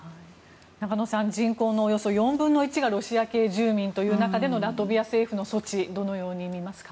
中野さん人口のおよそ４分の１がロシア系住民という中でのラトビア政府の措置どのように見ますか？